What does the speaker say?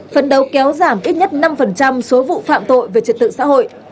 phấn đấu kéo giảm ít nhất năm số vụ phạm tội về trật tự xã hội